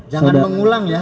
jangan mengulang ya